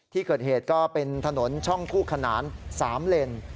ที่เกิดเหตุก็เป็นถนนช่องคู่ขนาน๓เลน